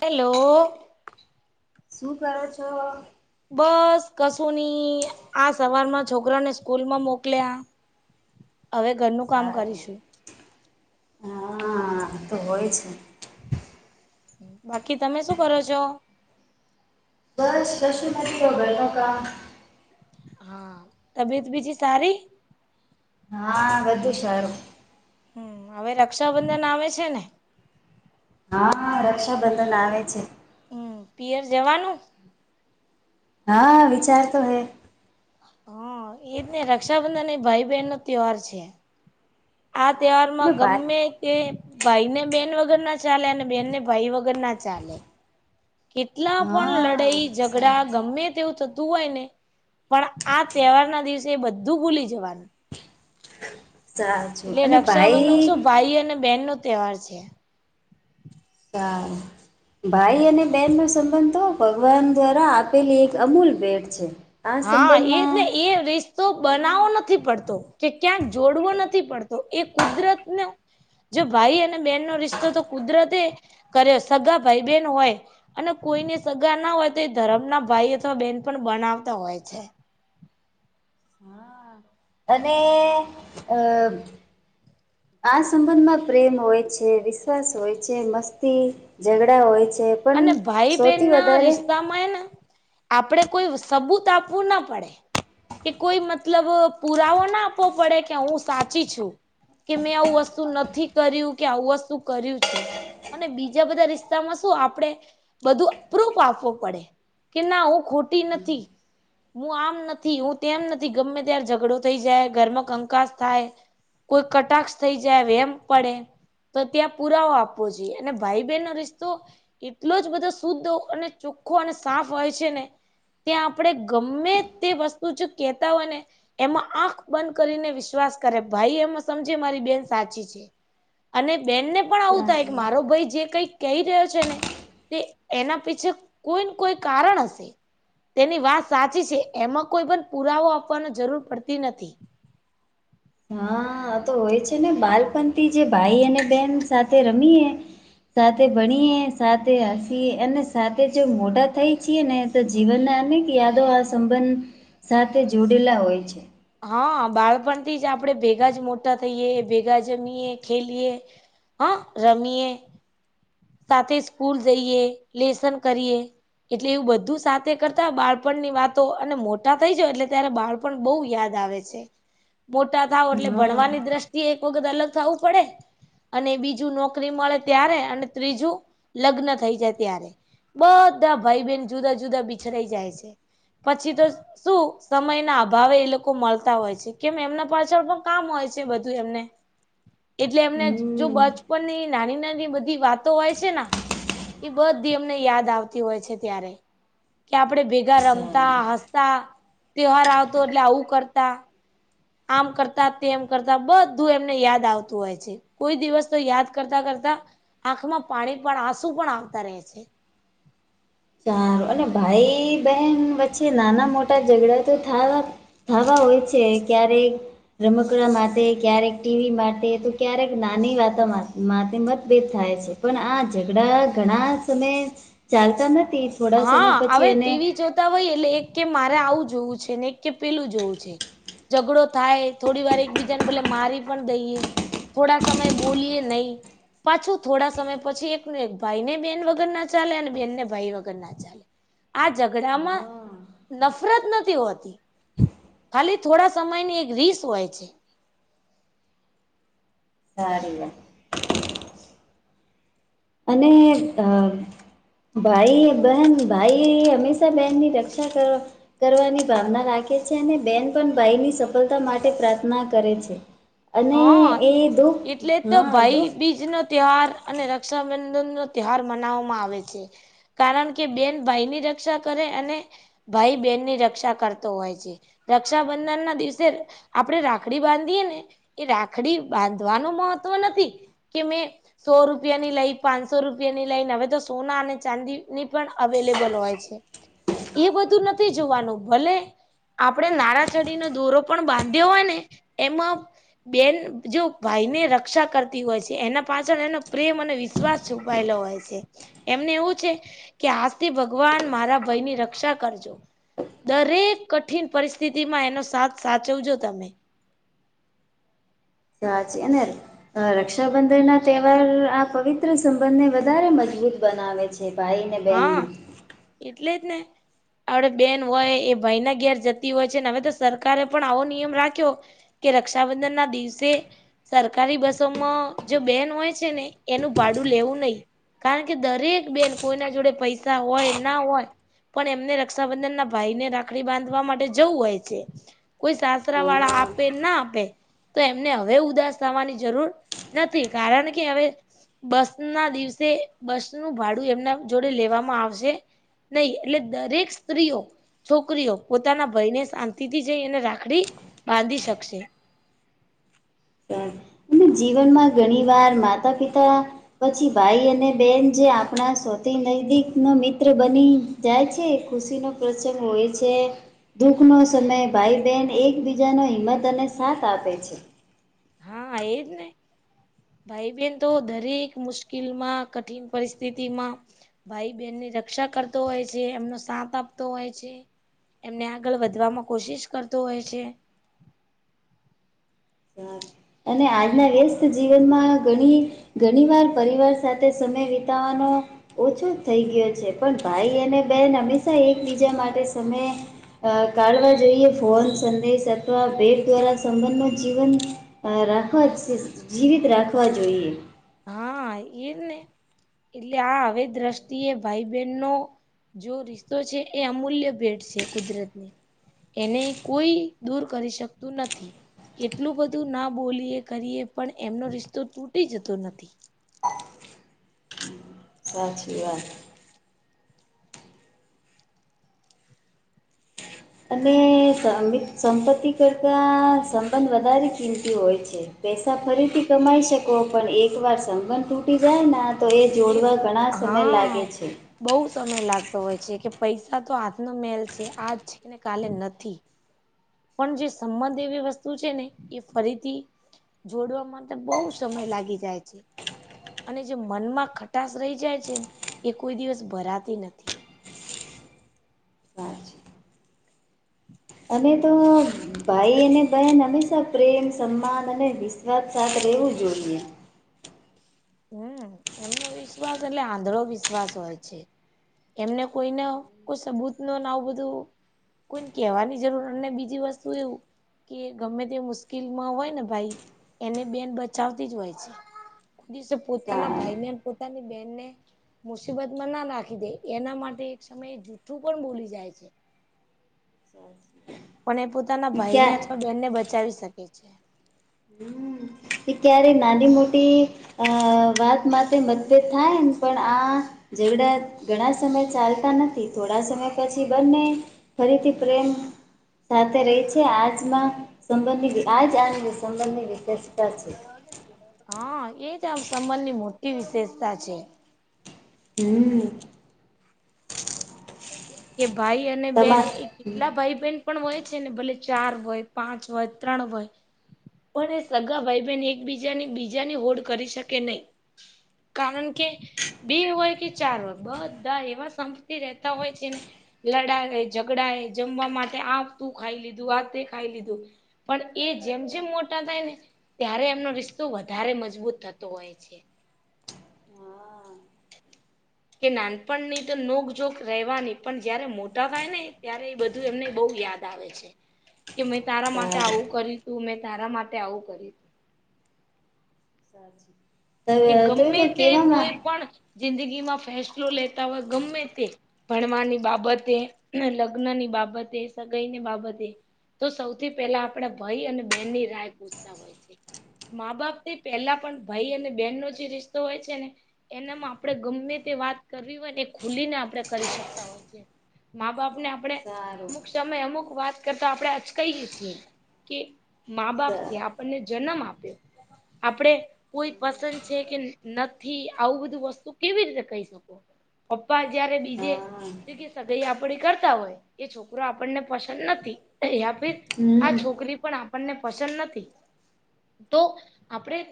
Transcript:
Hello, શું કરો છો? બસ કશુંની આ સવારમાં છોકરાને સ્કૂલ માં મોકલ્યા હવે ઘરનું કામ કરીશું હાતો હોય છે, બાકી તમે શું કરો છો, બસ કશું નથી ઘરનું કામ હા તબિયત બીજી સારી હા, બધુ સારું. હું હવે રક્ષાબંધન આવે છે, ને હા રક્ષાબંધન આવે છે, હું પિયર જવાનું હા વિચાર તો હે હા એજને રક્ષાબંધન એ ભાઈ બહેનનો તહેવાર છે, આ તહેવારમાં એટલે ગમે ભાઈ એ ભાઈને બેન વગરના ચાલે અને બેનને ભાઈ વગરના ચાલે, કેટલા પણ હા લડાઈ ઝઘડા સારું ગમે તેવું થતું હોય ને, પણ આ તહેવારના દિવસે બધું ભૂલી જવાનું, સાચું એટલે અને રક્ષાબંધન શું ભાઈ ભાઈ અને બહેનનો તહેવાર છે, તા [inaudible] ભાઈ અને બેનનો સંબંધ તો ભગવાન દ્રારા આપેલી એક અમૂલ ભેટ છે. આ હા ઈ જ સંબંધમાં ને એ [unintelligible] તો બનાવો નથી પડતો કે ક્યાંક જોડવો નથી પડતો એ કુદરતનો જો ભાઈ અને બેહેનનો રિશ્તોતો કુદરતે કર્યો સગા ભાઈ-બેહેન હોય અને કોઈને સગાના હોય તો એ ધરમ ના ભાઈ અથવા બેન પણ બનાવતા હોય છે. અને અ આ સંબંધમાં પ્રેમ હોય છે વિશ્વાસ હોય છે મસ્તી જગડા હોય છે પણ અને ભાઈ બહેન સૌથી ના વધારે રિશ્તા માં હેને આપડે કોઈ સબૂત આપવું ના પડે. એ કોઈ મતલબ પુરાવો ના આપવો પડે કે હું સાચી છું. કે મેં આવુ વસ્તુ નથી કર્યું કે આવું વસ્તુ કર્યું છે. અને બીજા બધા રિસ્તામાં શું આપ આપડે બધું પ્રૂફ આપવુ પડે કે ના હું ખોટી નથી. હું આમ નથી હું તેમ નથી ગમે ત્યારે ઝઘડો થઈ જાય ઘરમાં કંકાસ થાય કોઈ કટાક્ષ થઈ જાય વેમ પડે. તો ત્યાં પુરાવો આપવો જોઈએ અને ભાઈ બહેનનો રિસ્તો એટલો જ બધો શુદ્ધ અને ચોખ્ખો અને સાફ હોય છે ને ત્યાં આપણે ગમે તે વસ્તુ જો કેતા હોય ને એમાં આંખ બંધ કરીને વિશ્વાસ કરે ભાઈ એમાં સમજે મારી બેન સાચી છે. અને બેનને પણ આવું થાય કે મારો ભાઈ જે કઈ કહી રહ્યો છે ને તે એના પીછે કોઈ ન કોઈ કારણ હશે. તેની વાત સાચી છે એમાં કોઈ પણ પુરાવો આપવાની જરૂર પડતી નથી. હા તો હોય છે ને બાળપણ જે ભાઈ અને બેન સાથે રમીએે સાથે ભણીએ સાથે હસીએ અને સાથે જો મોઢા થઈ છીએ ને તો જીવનના અનેક યાદો આ સંબંધ સાથે જોડેલા હોય છે. હા બાળપણથી જ આપણે ભેગા જ મોટા થઈએ ભેગા જમીએ ખેલીએ હા રમીયે સાથે સ્કૂલ જઈએ લેસન કરીએ. એટલે એવું બધું સાથે કરતા બાળપણની વાતો અને મોટા થઈ જાય એટલે ત્યારે બાળ પણ બવ યાદ આવે છે મોટા થાવ એટલે હા ભણવાની દ્રષ્ટિ એક વખત અલગ થવું પડે અને બીજું નોકરી મળે ત્યારે અને ત્રીજું લગ્ન થઈ જાય ત્યારે બધા ભાઈ બહેન જુદા જુદા બિછડાઈ જાય છે પછી તો શું સમય ના અભાવે એ લોકો મળતા હોય છે કેમ એમના પાછળ પણ કામ હોય છે બધું એમને એટલે એમને જો હમ બચપનની નાની નાની બધી વાત વાતો હોય છે એ બધી એમને યાદ આવતી હોય છે ત્યારે કે આપડે ભેગા સારું રમતા હસતા તહેવાર આવતો એટલે આવું કરતા આમ કરતા તેમ કરતા બધું એમને યાદ આવતું હોય છે. કોઈ દિવસ તો યાદ કરતા કરતા આંખમાં પાણી પણ આસુ પણ આવતા રહે છે. સારું અને ભાઈ બહેન વચ્ચે નાના મોટા ઝઘડા તો થાવા હવા હોય છે ક્યારેક રમકડા માટે ક્યારેક ટીવી માટે તો ક્યારેક નાની વાતો માટે મતભેદ થાય છે. પણ આ ઝઘડા ઘણા સમયે ચાલતા નથી. થોડા સમય હા હવે પછી એને ટીવી જોતા હોય એટલે એક કે મારે આવું જોવું છે ને એક કે પેલું જોવું છે. ઝઘડો થાય થોડી વાર એકબીજાને ભલે મારી પણ દઈએ થોડા સમય બોલીએ નય. પાછું થોડા સમય પછી એક એક ભાઈ ને બેન વગર ના ચાલે અને બેનને ભાઈ વગર ના ચાલે આ ઝઘડામાં હા નફરત નથી હોતી. ખાલી થોડા સમયની એક રીસ હોય છે. [unintelligible] [inaudible] અને અ ભાઈ બહેન ભાઈ હંમેશા બેનની રક્ષા કરવા કરવાની ભાવના રાખે છે અને બેન પણ ભાઈની સફલતા માટે પ્રાર્થના કરે છે. હ અને એ દુઃખ એટલે તો હા ભાઈ બીજ. દુઃખ ભાઈબીજનો ત્યોહાર અને રક્ષાબંધનનો ત્યોહાર મનાવવામાં આવે છે. કારણ કે બેન ભાઈની રક્ષા કરે, અને.... ભાઈ બેનની રક્ષા કરતો હોય છે. રક્ષાબંધનના દિવસે આપડે રાખડી બાંધીએ ને! એ રાખડી બાંધવાનું મહત્વ નથી. કે મેં.... સો રૂપિયાની લઈ પાંચસો રૂપિયાની લઈને હવે, તો સોના અને ચાંદીની પણ અવેલેબલ હોય છે. એ બધું નથી જોવાનું. ભલે, આપડે નારાછડીનો દોરો પણ બાંધ્યો હોય ને એમાં, બેન જો ભાઈને રક્ષા કરતી હોય છે, એના પાછળ એનો પ્રેમ અને વિશ્વાસ. છુપાયલો હોય છે. એમને એવું છે કે આજથી ભગવાન મારા ભયની રક્ષા કરજો. દરેક કઠિન પરિસ્થિતિમાં એનો સાથ સાચવજો તમે. સાચી એનેર. રક્ષાબંધનના તહેવાર આ પવિત્ર સંબંધને વધારે મજબૂત બનાવે છે. જે ભાઈ ને હા બેનના. એટલે જ ને! આપડે બેન હોય એ ભાઈના ઘેર જતી હોય છે, ને હવે તો સરકારે પણ આવો નિયમ રાખ્યો. કે રક્ષાબંધનના દિવસે. સરકારી બસોમાં જો બેન હોય છે ને એનું ભાડું લેવું નય. કારણ કે દરેક બેન કોઈના જોડે પૈસા હોય. ના હોય. પણ એમને રક્ષાબંધનના ભાઈને રાખડી બાંધવા માટે જવું હોય છે. કોઈ સાસરા વાળા હા આપે નાં આપે. તો એમને હવે ઉદાસ થાવાની જરૂર નથી. કારણ કે હવે, બસના દિવસે બસનું ભાડું એમના જોડે લેવામાં આવશે. નય. એટલે દરેક સ્ત્રીઓ, છોકરીઓ પોતાના ભયને શાંતિથી જઈ અને રાખડી બાંધી શકશે. એને જીવનમાં ઘણી વાર માતા-પિતા. પછી ભાઈ અને બેન જે આપણા સૌથી નજદીક નો મિત્ર બની! જાય છે. એ ખુશીનો પ્રસંગ હોય છે. દુઃખનો સમયે ભાઈ બેન એકબીજાનો હિંમત અને સાથ આપે છે. હા એજ ને. ભાઈ બેન તો દરેક મુશ્કેલમાં, કઠિન પરિસ્થિતિમાં, ભાઈ બેનની રક્ષા કરતો હોય છે. એમનો સાથ આપતો હોય છે. એમને આગળ વધવામાં કોશિશ કરતો હોય છે. અને આજના વ્યસ્ત જીવનમાં ઘણી, ઘણી વાર પરિવાર સાથે સમય વિતાવવાનો. ઓછો થઈ ગયો છે, પણ ભાઈ અને બેન હંમેશા એકબીજા માટે સમય! અ કાઢવા જઈએ ફોન સંદેશ અથવા બેગ દ્વારા સંબંધનો.... જીવન અ રાખવા, જીવિત રાખવા જોઈએ. હા એજ ને એટલે આ હવે દ્રષ્ટિએ ભાઈ બેનનો! જો રિશતો છે એ અમૂલ્ય ભેટ છે. કુદરતની.... એને કોઈ દૂર કરી શકતું નથી. કેટલું બધું ના બોલીએ કરીએ પણ એમનો રિશ્તો તૂટી જતો નથી. સાચી વાત. અને [unintelligible] સંપત્તિ કરતાં સંબંધ વધારે ચિંંત હોય છે. પૈસા ફરીથી કમાઈ શકો પણ એક વાર સંબંધ તૂટી જાયના તો એ જોડવા ઘણાં સમય લાગે હા છે. બહુ સમય લાગતો હોય છે કે પૈસા તો હાથનો મેલ છે આજ છે કેને કાલે નથી. પણ જે સંમત એવી વસ્તુ છે ને એ ફરીથી જોડવા માટે તો બોઉ સમય લાગી જાય છે. અને જે મનમાં ખટાસ રહી જાય છે એ કોઈ દિવસ ભરાતી નથી. અને તો ભાઈ અને બહેન હંમેશા પ્રેમ સન્માન અને વિશ્વાસ સાથે રહેવું જોઈએ. હમ, [unintelligible] એમનો વિશ્વાસ એટલે આંધ્રો વિશ્વાસ હોય છે. એમને કોઈના કોઈ સબૂત નવું બધું કોઈને કેવાની જરૂર ને બીજી વસ્તુ એવું. કે ગમે તે મુશ્કેલમાં હોય ને ભાઈ એને બેન બચાવતી જ હોય છે. દિવસે [unintelligible] પોતાના સારું. ભાઈને અને પોતાની બેહેનને મુસીબતમાં ના નાખી દે એના માટે એક સમયે જૂઠ્ઠું પણ બોલી જાય છે. [inaudible] પણ એ પોતાના ભાઈને ક્યાં અથવા બેનને બચાવી શકે છે. [unintelligible] ક્યારે નાની મોટી અ [unintelligible] વાત માટે મતભેદ થાય ને પણ આ ઝઘડા ઘણા સમય ચાલતા નથી થોડા સમય પછી બંને ફરીથી પ્રેમ સાથે રહી છે. આજમાં સંબંધિત આજ આ [unintelligible] સંબંધની વિશેષતા છે. હા, એ જ આ સંબંધની મોટી વિશેષતા છે. હમ્મ. કે ભાઈ અને બેન તમા એ કેટલા ભાઈ બેન પણ હોય છે ને, ભલે ચાર હોય, પાંચ હોય, ત્રણ હોય. પણ એ સગા ભાઈ બહેન એકબીજાની બીજાની હોડ કરી શકે નહી. કારણ કે, બે હોય કે ચાર હોય બધા એવા સંપથી રેહ [unintelligible] તા હોય એને લડાય, ઝઘડાય, જમવા માટે આ તું ખાઈ લીધું આ તે ખાઈ લીધું. પણ એ જેમ જેમ મોટા થાય ને ત્યારે એમનો રિસ્તો વધારે મજબૂત થતો હોય છે. કે નાનપણની તો નોક જોક રહેવાની પણ જયારે મોટા થાય ને ત્યારે એ બધું એમને બહુ યાદ આવે છે કે મેં તારા માટે સારું આવું કર તું મેં તારા માટે આવું કરું. [unintelligible] એ [unintelligible] તમે ગમે તો તે કેવામાં કોઈ પણ જિંદગીમાં ફેસલો લેતા હોય ગમે તે ભણવાની બાબતે, લગ્નની બાબતે, સગાઈની બાબતે. તો સૌથી પેલા આપડા ભાઈ અને બેનની રાય પૂછતા હોય. [unintelligible] મા બાપથી પેલા પણ ભાઈ અને બેનનો જે રિસ્તો હોય છે ને. એનામાં આપણે ગમે તે વાત કરવી હોય ને એ ખુલીને આપડણે કરી શકતા હોય છે. મા બાપ ને આપડણે સારું અમુક સમયે અમુક વાત કરતા આપણેે અચકાઈએ છીએ. કે મા બાપથી આપણને જન્મ આપ્યો આપણે કોઈ પસંદ છે કે નથી આવું બધું વસ્તુ કેવી રીતે કહી શકો. પપ્પા જયારે બીજે હા જે કે સગાઈ આપડી કરતા હોય એ છોકરો આપણને પસંદ નથી એ આપી. [unintelligible] આ હમ છોકરી પણ આપણને પસંદ નથી તો આપણેે